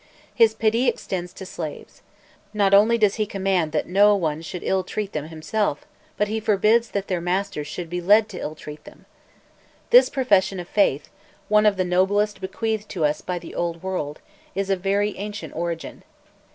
His pity extends to slaves; not only does he command that no one should ill treat them himself, but he forbids that their masters should be led to ill treat them. This profession of faith, one of the noblest bequeathed us by the old world, is of very ancient origin.